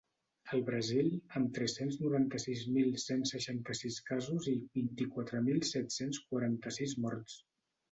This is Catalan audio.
El Brasil, amb tres-cents noranta-sis mil cent seixanta-sis casos i vint-i-quatre mil set-cents quaranta-sis morts.